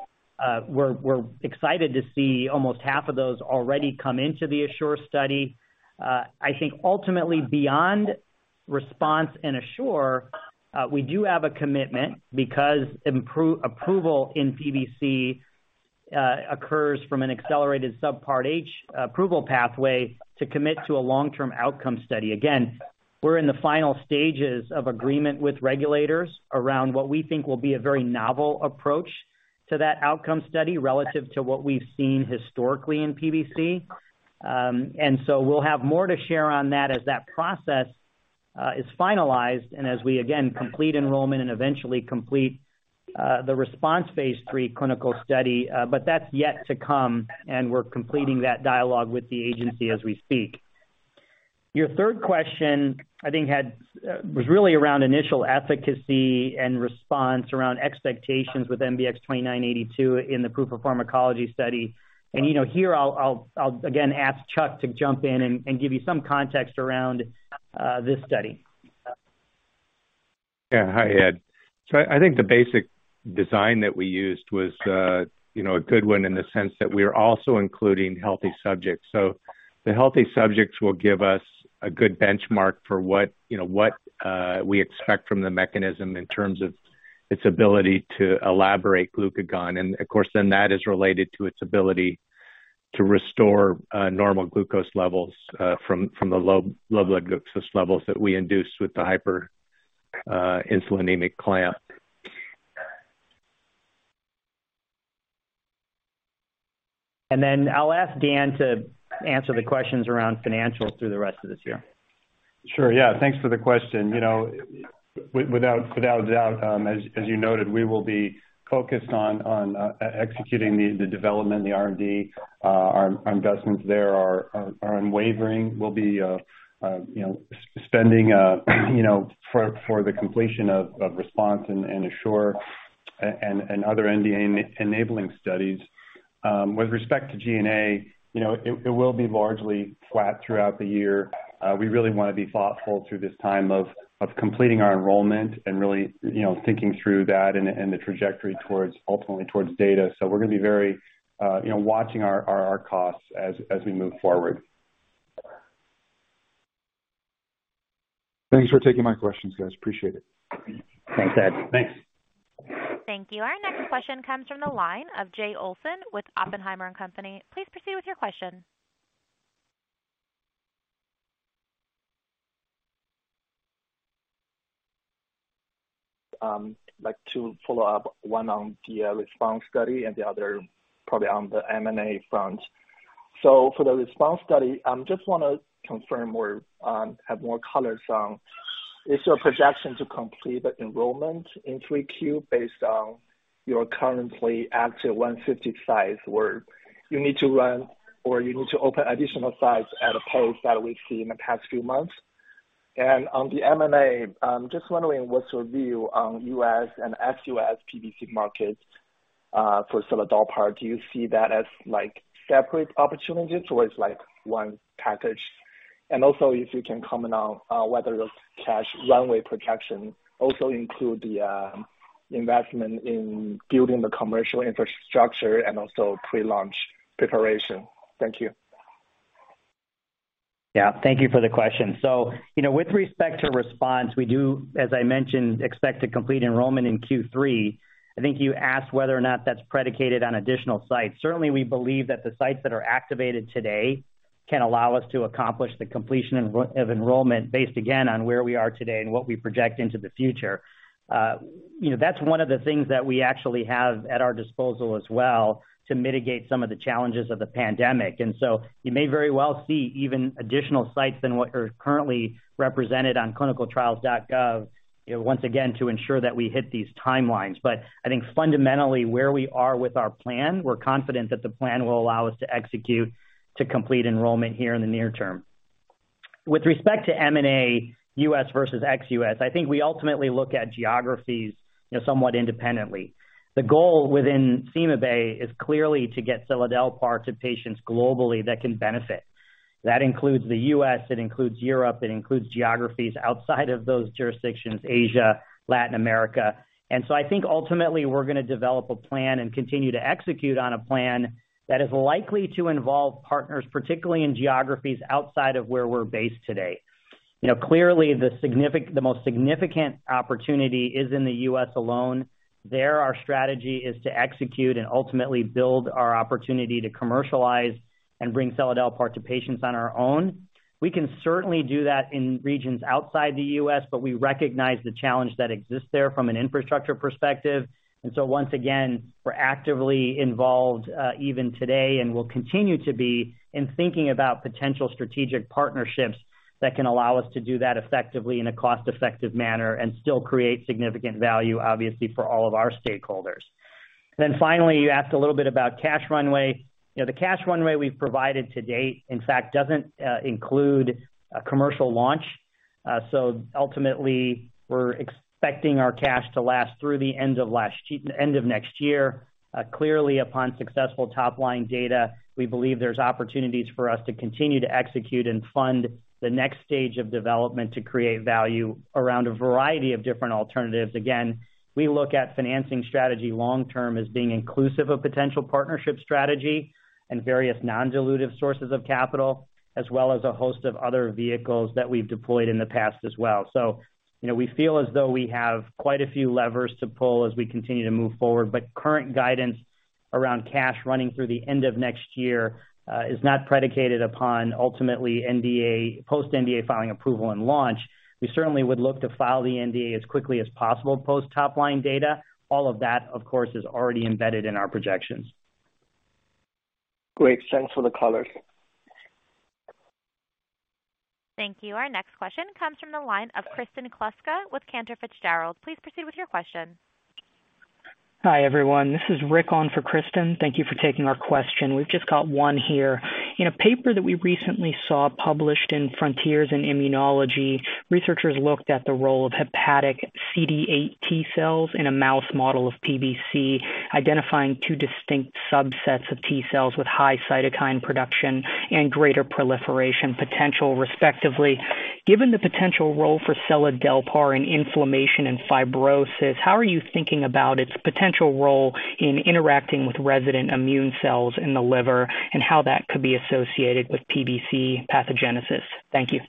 We're excited to see almost half of those already come into the ASSURE study. I think ultimately beyond RESPONSE in ASSURE, we do have a commitment because approval in PBC occurs from an accelerated Subpart H approval pathway to commit to a long-term outcome study. Again, we're in the final stages of agreement with regulators around what we think will be a very novel approach to that outcome study, relative to what we've seen historically in PBC. We'll have more to share on that as that process is finalized and as we again complete enrollment and eventually complete the RESPONSE phase III clinical study. That's yet to come and we're completing that dialogue with the agency as we speak. Your third question, I think was really around initial efficacy and response around expectations with MBX-2982 in the proof of pharmacology study. You know, here I'll again ask Chuck to jump in and give you some context around this study. Yeah. Hi, Ed. I think the basic design that we used was, you know, a good one in the sense that we are also including healthy subjects. The healthy subjects will give us a good benchmark for what, you know, what we expect from the mechanism in terms of its ability to elaborate glucagon. And of course, then that is related to its ability to restore normal glucose levels from the low blood glucose levels that we induce with the hyperinsulinemic clamp. I'll ask Dan to answer the questions around financials through the rest of this year. Sure. Yeah, thanks for the question. You know, without a doubt, as you noted, we will be focused on executing the development, the R&D, our investments there are unwavering. We'll be, you know, spending, you know, for the completion of RESPONSE and ASSURE and other NDA enabling studies. With respect to G&A, you know, it will be largely flat throughout the year. We really wanna be thoughtful through this time of completing our enrollment and really, you know, thinking through that and the trajectory towards ultimately towards data. So we're gonna be very, you know, watching our costs as we move forward. Thanks for taking my questions, guys. Appreciate it. Thanks, Ed. Thanks. Thank you. Our next question comes from the line of Jay Olson with Oppenheimer & Co. Please proceed with your question. I'd like to follow up, one on the RESPONSE study and the other probably on the M&A front. For the RESPONSE study, just wanna confirm or have more colors on, is your projection to complete the enrollment in 3Q based on your currently active 150 size, or you need to run or you need to open additional sites at a pace that we've seen in the past few months? On the M&A, I'm just wondering what's your view on U.S. and ex-U.S. PBC markets for seladelpar. Do you see that as like separate opportunities or as like one package? Also if you can comment on whether the cash runway projection also include the investment in building the commercial infrastructure and also pre-launch preparation. Thank you. Yeah. Thank you for the question. So, you know, with respect to RESPONSE, we do, as I mentioned, expect to complete enrollment in Q3. I think you asked whether or not that's predicated on additional sites. Certainly, we believe that the sites that are activated today can allow us to accomplish the completion of enrollment based again on where we are today and what we project into the future. You know, that's one of the things that we actually have at our disposal as well to mitigate some of the challenges of the pandemic. You may very well see even additional sites than what are currently represented on ClinicalTrials.gov, you know, once again, to ensure that we hit these timelines. I think fundamentally where we are with our plan, we're confident that the plan will allow us to execute to complete enrollment here in the near term. With respect to M&A, US versus ex-US, I think we ultimately look at geographies, you know, somewhat independently. The goal within CymaBay is clearly to get seladelpar to patients globally that can benefit. That includes the U.S., it includes Europe, it includes geographies outside of those jurisdictions, Asia, Latin America. And so I think ultimately, we're gonna develop a plan and continue to execute on a plan that is likely to involve partners, particularly in geographies outside of where we're based today. You know, clearly the most significant opportunity is in the US alone. There, our strategy is to execute and ultimately build our opportunity to commercialize and bring seladelpar to patients on our own. We can certainly do that in regions outside the U.S., but we recognize the challenge that exists there from an infrastructure perspective. Once again, we're actively involved, even today, and will continue to be in thinking about potential strategic partnerships that can allow us to do that effectively in a cost-effective manner and still create significant value, obviously, for all of our stakeholders. Finally, you asked a little bit about cash runway. You know, the cash runway we've provided to date, in fact, doesn't include a commercial launch. So ultimately we're expecting our cash to last through the end of next year. Clearly upon successful top-line data, we believe there's opportunities for us to continue to execute and fund the next stage of development to create value around a variety of different alternatives. Again, we look at financing strategy long term as being inclusive of potential partnership strategy and various non-dilutive sources of capital, as well as a host of other vehicles that we've deployed in the past as well. You know, we feel as though we have quite a few levers to pull as we continue to move forward. Current guidance around cash running through the end of next year is not predicated upon ultimately NDA, post NDA filing approval and launch. We certainly would look to file the NDA as quickly as possible post top line data. All of that, of course, is already embedded in our projections. Great. Thanks for the color. Thank you. Our next question comes from the line of Kristen Kluska with Cantor Fitzgerald. Please proceed with your question. Hi, everyone. This is Rick on for Kristen. Thank you for taking our question. We've just got one here. In a paper that we recently saw published in Frontiers in Immunology, researchers looked at the role of hepatic CD8+ T cells in a mouse model of PBC, identifying two distinct subsets of T cells with high cytokine production and greater proliferation potential, respectively. Given the potential role for seladelpar in inflammation and fibrosis, how are you thinking about its potential role in interacting with resident immune cells in the liver and how that could be associated with PBC pathogenesis? Thank you.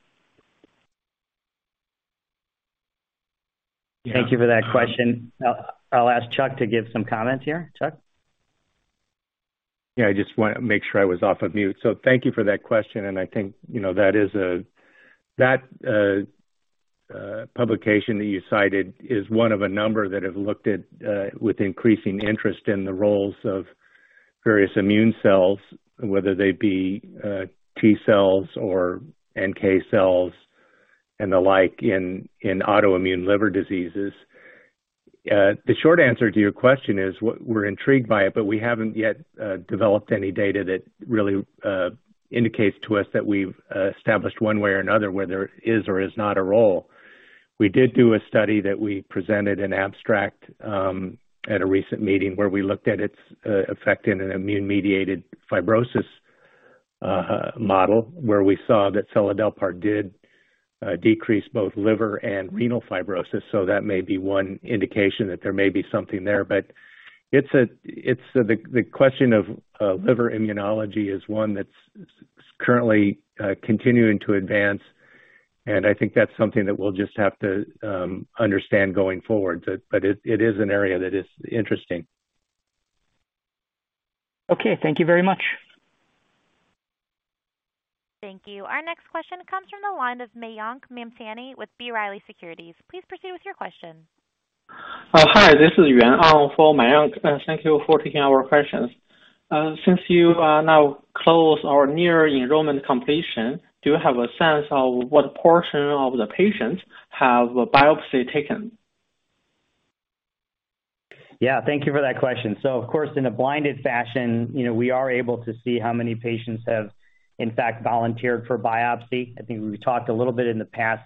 Thank you for that question. I'll ask Chuck to give some comments here. Chuck? Yeah, I just want to make sure I was off of mute. Thank you for that question. I think, you know, that is a publication that you cited, is one of a number that have looked at with increasing interest in the roles of various immune cells, whether they be T cells or NK cells and the like in autoimmune liver diseases. The short answer to your question is we're intrigued by it, but we haven't yet developed any data that really indicates to us that we've established one way or another whether it is or is not a role. We did do a study that we presented an abstract at a recent meeting where we looked at its effect in an immune-mediated fibrosis model, where we saw that seladelpar did decrease both liver and renal fibrosis. That may be one indication that there may be something there. It's the question of liver immunology is one that's currently continuing to advance, and I think that's something that we'll just have to understand going forward. It is an area that is interesting. Okay. Thank you very much. Thank you. Our next question comes from the line of Mayank Mamtani with B. Riley Securities. Please proceed with your question. Hi, this is Yuan on for Mayank. Thank you for taking our questions. Since you are now close or near enrollment completion, do you have a sense of what portion of the patients have a biopsy taken? Yeah, thank you for that question. Of course, in a blinded fashion, you know, we are able to see how many patients have in fact volunteered for biopsy. I think we talked a little bit in the past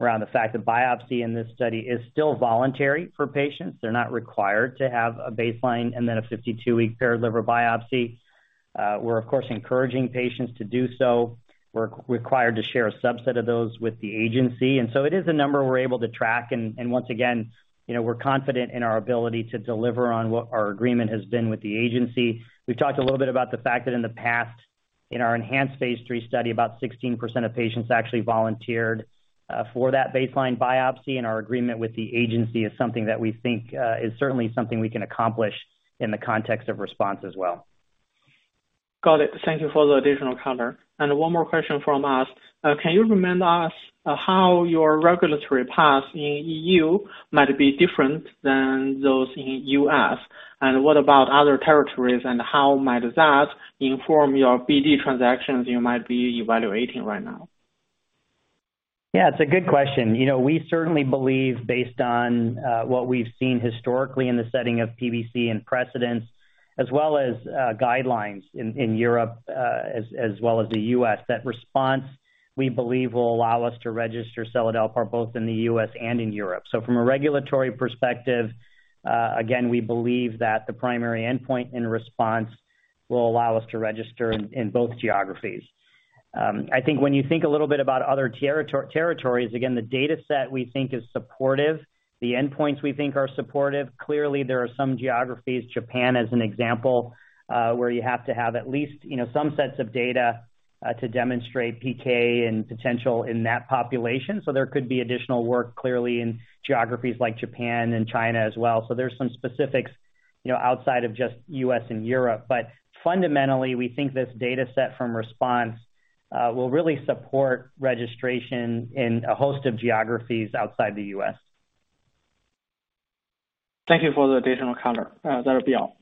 around the fact that biopsy in this study is still voluntary for patients. They're not required to have a baseline and then a 52-week paired liver biopsy. We're of course encouraging patients to do so. We're required to share a subset of those with the agency. It is a number we're able to track. Once again, you know, we're confident in our ability to deliver on what our agreement has been with the agency. We've talked a little bit about the fact that in the past, in our ENHANCE phase III study, about 16% of patients actually volunteered for that baseline biopsy. Our agreement with the agency is something that we think is certainly something we can accomplish in the context of RESPONSE as well. Got it. Thank you for the additional color. One more question from us. Can you remind us how your regulatory path in EU might be different than those in U.S.? What about other territories, and how might that inform your BD transactions you might be evaluating right now? Yeah, it's a good question. You know, we certainly believe based on what we've seen historically in the setting of PBC and precedents as well as guidelines in Europe as well as the U.S., that RESPONSE, we believe will allow us to register seladelpar both in the U.S. and in Europe. So from a regulatory perspective, again, we believe that the primary endpoint in RESPONSE will allow us to register in both geographies. I think when you think a little bit about other territories, again, the dataset we think is supportive. The endpoints we think are supportive. Clearly, there are some geographies, Japan as an example, where you have to have at least, you know, some sets of data to demonstrate PK and potential in that population. There could be additional work clearly in geographies like Japan and China as well. There's some specifics, you know, outside of just U.S. and Europe. Fundamentally, we think this dataset from RESPONSE will really support registration in a host of geographies outside the U.S. Thank you for the additional color. That'll be all.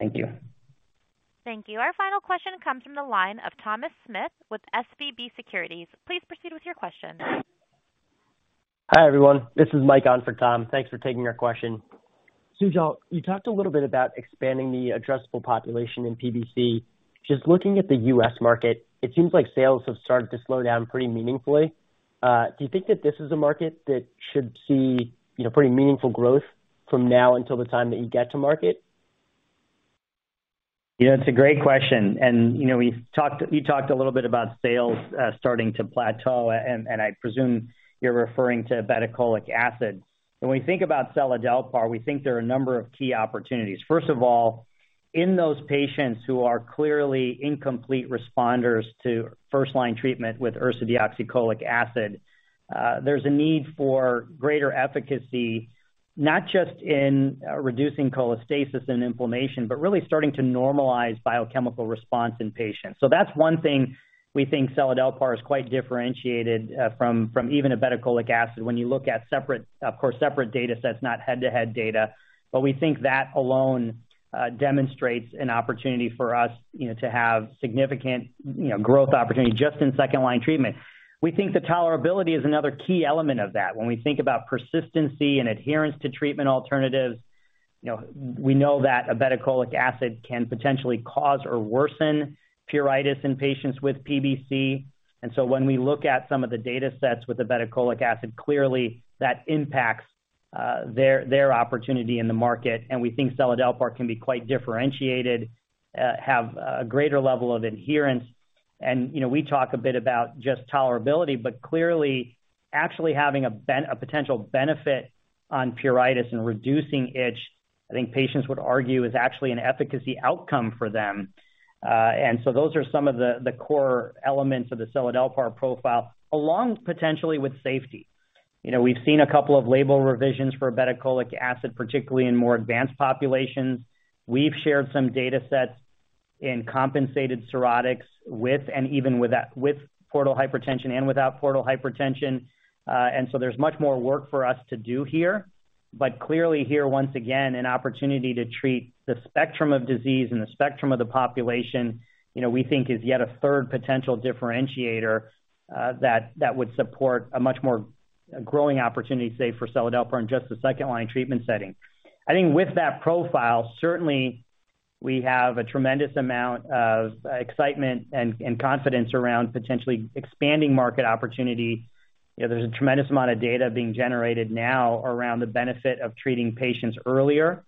Thank you. Thank you. Our final question comes from the line of Thomas Smith with SVB Securities. Please proceed with your question. Hi, everyone. This is Mike on for Tom. Thanks for taking our question. Sujal, you talked a little bit about expanding the addressable population in PBC. Just looking at the U.S. market, it seems like sales have started to slow down pretty meaningfully. Do you think that this is a market that should see, you know, pretty meaningful growth from now until the time that you get to market? Yeah, it's a great question. You know, you talked a little bit about sales starting to plateau, and I presume you're referring to ursodeoxycholic acid. When we think about seladelpar, we think there are a number of key opportunities. First of all, in those patients who are clearly incomplete responders to first-line treatment with ursodeoxycholic acid, there's a need for greater efficacy, not just in reducing cholestasis and inflammation, but really starting to normalize biochemical response in patients. That's one thing we think seladelpar is quite differentiated from even ursodeoxycholic acid when you look at separate, of course, separate datasets, not head-to-head data. We think that alone demonstrates an opportunity for us, you know, to have significant growth opportunity just in second-line treatment. We think the tolerability is another key element of that. When we think about persistency and adherence to treatment alternatives, you know, we know that ursodeoxycholic acid can potentially cause or worsen pruritus in patients with PBC. When we look at some of the datasets with ursodeoxycholic acid, clearly that impacts their opportunity in the market. We think seladelpar can be quite differentiated, have a greater level of adherence. You know, we talk a bit about just tolerability, but clearly, actually having a potential benefit on pruritus and reducing itch, I think patients would argue is actually an efficacy outcome for them. Those are some of the core elements of the seladelpar profile, along potentially with safety. You know, we've seen a couple of label revisions for ursodeoxycholic acid, particularly in more advanced populations. We've shared some datasets in compensated cirrhotics with and even with that, with portal hypertension and without portal hypertension. There's much more work for us to do here. Clearly here, once again, an opportunity to treat the spectrum of disease and the spectrum of the population, you know, we think is yet a third potential differentiator, that would support a much more growing opportunity, say, for seladelpar in just the second line treatment setting. I think with that profile, certainly we have a tremendous amount of excitement and confidence around potentially expanding market opportunity. You know, there's a tremendous amount of data being generated now around the benefit of treating patients earlier,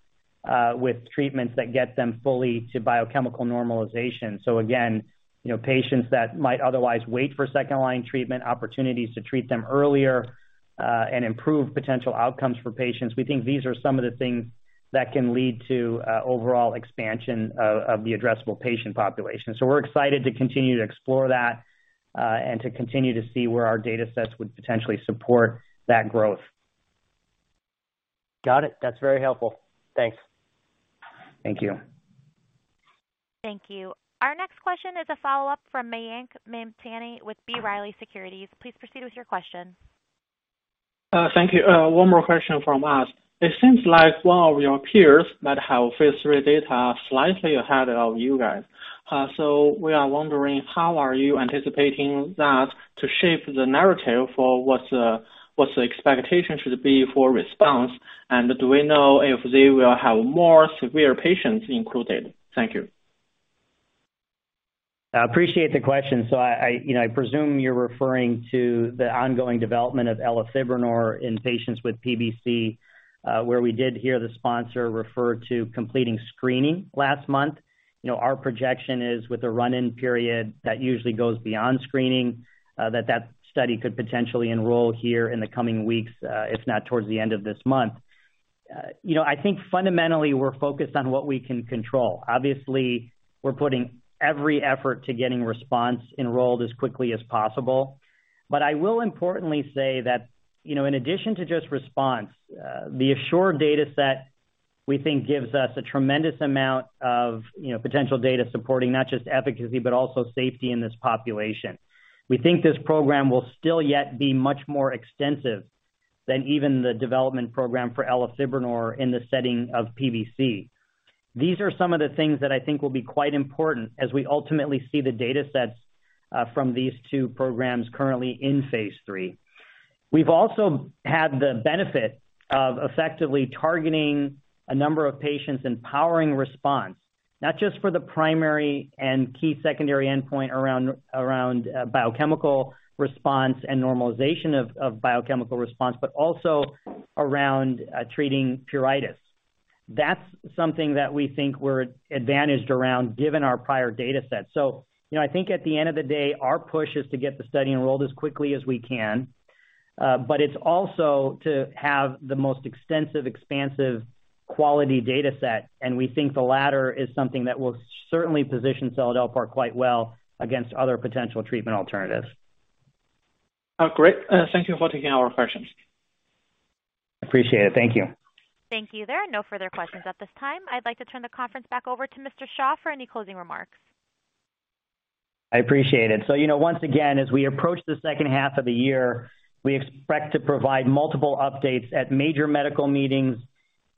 with treatments that get them fully to biochemical normalization. Again, you know, patients that might otherwise wait for second line treatment opportunities to treat them earlier, and improve potential outcomes for patients. We think these are some of the things that can lead to, overall expansion of the addressable patient population. We're excited to continue to explore that, and to continue to see where our datasets would potentially support that growth. Got it. That's very helpful. Thanks. Thank you. Thank you. Our next question is a follow-up from Mayank Mamtani with B. Riley Securities. Please proceed with your question. Thank you. One more question from us. It seems like one of your peers might have phase III data slightly ahead of you guys. We are wondering how you are anticipating that to shape the narrative for what the expectation should be for RESPONSE? Do we know if they will have more severe patients included? Thank you. I appreciate the question. I you know presume you're referring to the ongoing development of elafibranor in patients with PBC, where we did hear the sponsor refer to completing screening last month. You know, our projection is with a run-in period that usually goes beyond screening, that study could potentially enroll here in the coming weeks, if not towards the end of this month. You know, I think fundamentally we're focused on what we can control. Obviously, we're putting every effort to getting RESPONSE enrolled as quickly as possible. I will importantly say that, you know, in addition to just RESPONSE, the ASSURE dataset, we think gives us a tremendous amount of, you know, potential data supporting not just efficacy, but also safety in this population. We think this program will still yet be much more extensive than even the development program for elafibranor in the setting of PBC. These are some of the things that I think will be quite important as we ultimately see the datasets from these two programs currently in phase 3. We've also had the benefit of effectively targeting a number of patients and powering response, not just for the primary and key secondary endpoint around biochemical response and normalization of biochemical response, but also around treating pruritus. That's something that we think we're advantaged around given our prior datasets. You know, I think at the end of the day, our push is to get the study enrolled as quickly as we can, but it's also to have the most extensive, expansive quality dataset. We think the latter is something that will certainly position seladelpar quite well against other potential treatment alternatives. Oh, great. Thank you for taking our questions. Appreciate it. Thank you. Thank you. There are no further questions at this time. I'd like to turn the conference back over to Mr. Shah for any closing remarks. I appreciate it. You know, once again, as we approach the second half of the year, we expect to provide multiple updates at major medical meetings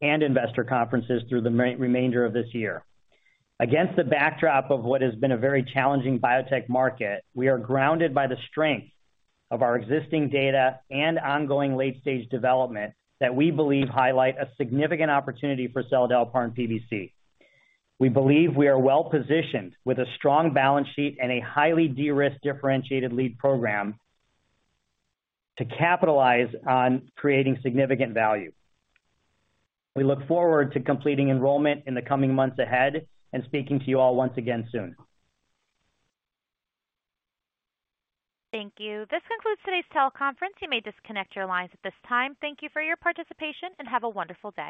and investor conferences through the remainder of this year. Against the backdrop of what has been a very challenging biotech market, we are grounded by the strength of our existing data and ongoing late-stage development that we believe highlight a significant opportunity for seladelpar in PBC. We believe we are well-positioned with a strong balance sheet and a highly de-risked, differentiated lead program to capitalize on creating significant value. We look forward to completing enrollment in the coming months ahead and speaking to you all once again soon. Thank you. This concludes today's teleconference. You may disconnect your lines at this time. Thank you for your participation, and have a wonderful day.